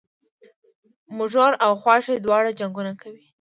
مږور او خواښې دواړه جنګونه کوي